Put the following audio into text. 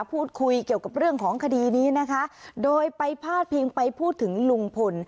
พูดคุยเกี่ยวกับเรื่องของคดีนี้นะคะโดยไปพาดพิงไปพูดถึงลุงพล